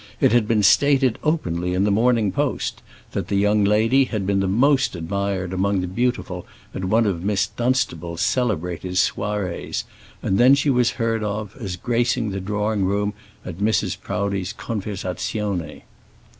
It had been stated openly in the Morning Post that that young lady had been the most admired among the beautiful at one of Miss Dunstable's celebrated soirées, and then she was heard of as gracing the drawing room at Mrs. Proudie's conversazione.